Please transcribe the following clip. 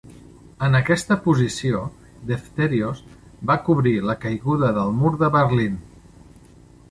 En aqueixa posició, Defterios va cobrir la caiguda del mur de Berlín.